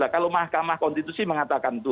kalau mahkamah konstitusi mengatakan itu